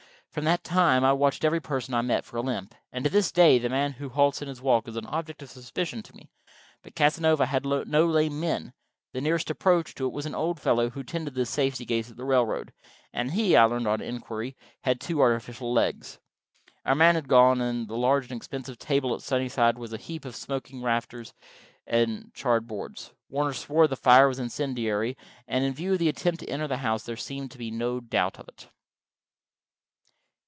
From that time on I watched every person I met for a limp, and to this day the man who halts in his walk is an object of suspicion to me. But Casanova had no lame men: the nearest approach to it was an old fellow who tended the safety gates at the railroad, and he, I learned on inquiry, had two artificial legs. Our man had gone, and the large and expensive stable at Sunnyside was a heap of smoking rafters and charred boards. Warner swore the fire was incendiary, and in view of the attempt to enter the house, there seemed to be no doubt of it.